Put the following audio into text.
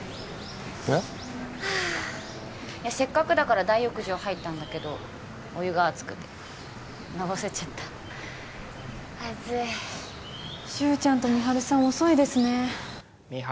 えっ？はあせっかくだから大浴場入ったんだけどお湯が熱くてのぼせちゃった暑い柊ちゃんと美晴さん遅いですね美晴